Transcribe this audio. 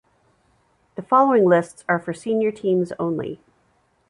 The following lists are for senior teams only.